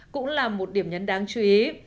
cũng là một điểm nhấn đáng chú ý